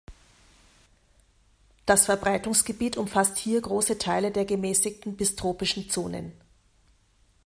Das Verbreitungsgebiet umfasst hier große Teile der gemäßigten bis tropischen Zonen.